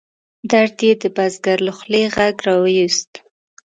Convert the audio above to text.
درد یې د بزګر له خولې غږ را ویوست.